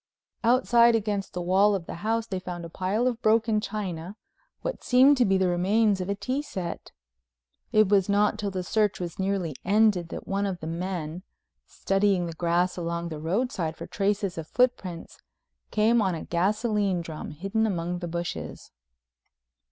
Outside against the wall of the house they found a pile of broken china, what seemed to be the remains of a tea set. It was not till the search was nearly ended that one of the men, studying the grass along the roadside for traces of footprints, came on a gasoline drum hidden among the bushes.